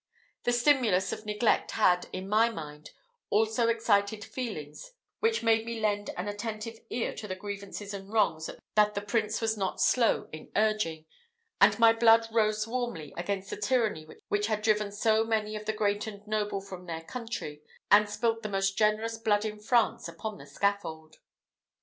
The stimulus of neglect had, in my mind, also excited feelings which made me lend an attentive ear to the grievances and wrongs that the prince was not slow in urging, and my blood rose warmly against the tyranny which had driven so many of the great and noble from their country, and spilt the most generous blood in France upon the scaffold.